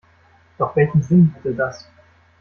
Doch welchen Sinn hätte das?